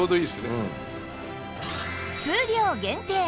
数量限定！